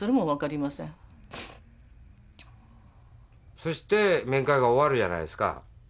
そして面会が終わるやないですか。